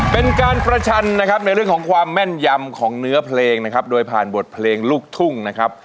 เป็นการประชันนะครับในเรื่องของความแม่นยำของเนื้อเพลงนะครับโดยผ่านบทเพลงลูกทุ่งนะครับ